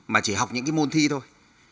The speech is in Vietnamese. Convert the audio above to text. mà chỉ học những cái môn thi thôi